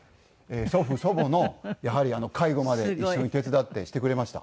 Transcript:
祖父祖母のやはり介護まで一緒に手伝ってしてくれました。